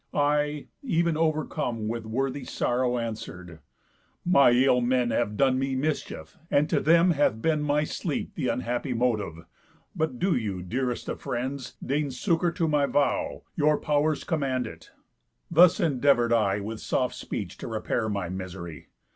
I, ev'n overcome With worthy sorrow, answer'd: 'My ill men Have done me mischief, and to them hath been My sleep th' unhappy motive; but do you, Dearest of friends, deign succour to my vow. Your pow'rs command it.' Thus endeavour'd I With soft speech to repair my misery.